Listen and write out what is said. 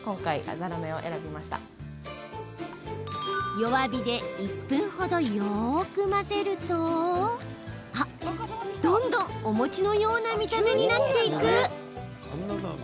弱火で１分ほどよく混ぜるとあ、どんどんお餅のような見た目になっていく！